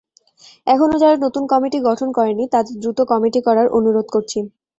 এখনো যারা নতুন কমিটি গঠন করেনি, তাদের দ্রুত কমিটি করার অনুরোধ করছি।